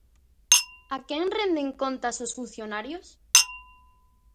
¿A quen renden contas os funcionarios?